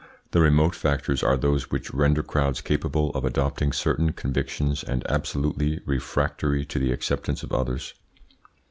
The remote factors are those which render crowds capable of adopting certain convictions and absolutely refractory to the acceptance of others.